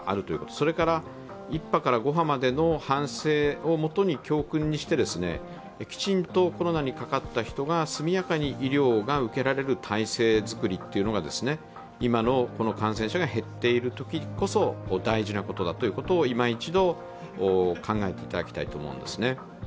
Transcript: それから、１波から５波までの反省をもとに、教訓にしてきちんとコロナにかかった人が速やかに医療が受けられる体制づくりが今の感染者が減っているときこそ大事なことだということを、いま一度考えていただきたいと思います。